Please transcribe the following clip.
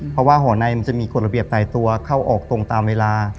เพราะว่าห่อในมันจะมีกฎระเบียบไต่ตัวเข้าออกตรงตามเวลา